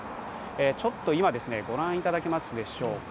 ちょっと今ご覧いただけますでしょうか。